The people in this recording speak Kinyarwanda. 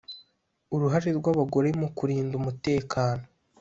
Uruhare rw’abagore mu kurinda umutekano